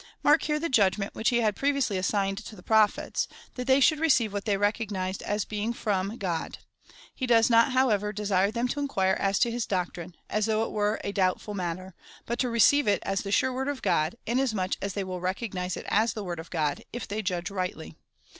Mark here the judgment, which he had previously assigned to the Prophets — that they should receive what they recognised as being from God. He does not, however, desire them to inquire as to his doctrine, as though it were a doubtful matter, but to receive it as the sure word of God, inasmuch as they will recognise it as the word of God, if they judge rightly.